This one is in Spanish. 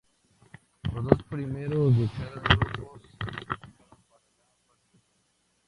Los dos primeros de cada grupo se clasificaron para la fase final.